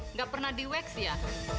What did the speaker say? nggak pernah di wax ya